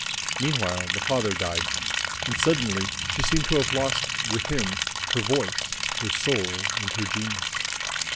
Meanwhile, the father died; and, suddenly, she seemed to have lost, with him, her voice, her soul and her genius.